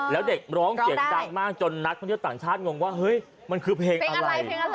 แล้วเด็กร้องเสียงดังมากจนนักท่องเที่ยวต่างชาติงงว่าเฮ้ยมันคือเพลงอะไร